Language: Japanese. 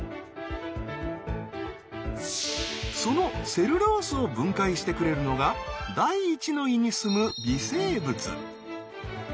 そのセルロースを分解してくれるのが第一の胃に住む微生物。